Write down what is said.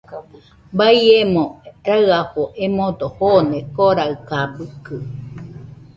Baiemo raɨafo emodo joone Koraɨkabɨkɨ